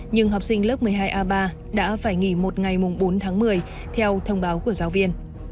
nhưng học sinh lớp một mươi hai a ba đã phải nghỉ một ngày bốn tháng một mươi theo thông báo của giáo viên